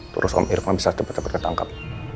terus om irfan bisa cepat cepat ketangkap